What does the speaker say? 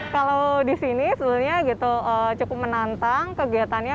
kalau di sini sebenarnya gitu cukup menantang kegiatannya